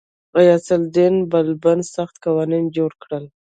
غیاث الدین بلبن سخت قوانین جوړ کړل.